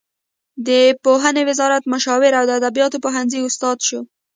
د پوهنې وزارت مشاور او د ادبیاتو پوهنځي استاد شو.